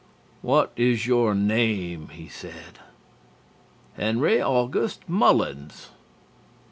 "What is your name?" he said. "Henry August Mullins."